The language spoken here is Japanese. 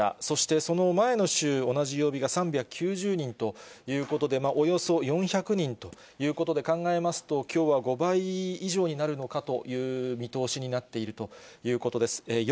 そしてその前の週、同じ曜日が３９０人ということで、およそ４００人ということで考えますと、きょうは５倍以上になるのかという見通しになっているということです。